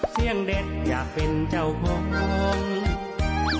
เสียงเด็ดอยากเป็นเจ้าของ